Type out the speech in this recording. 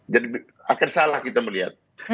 jadi akan salah kita melihat